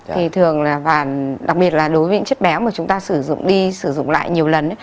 thì thường là và đặc biệt là đối với những chất béo mà chúng ta sử dụng đi sử dụng lại nhiều lần